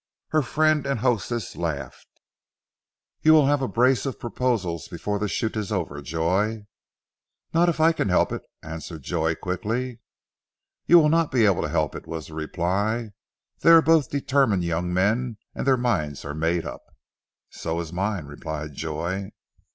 Her friend and hostess laughed. "You will have a brace of proposals before the shoot is over, Joy." "Not if I can help it," answered Joy quickly. "You will not be able to help it," was the reply. "They are both determined young men and their minds are made up." "So is mine," replied Joy.